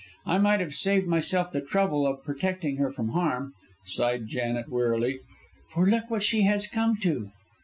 I might have saved myself the trouble of protecting her from harm," sighed Janet, wearily, "for look what she has come to."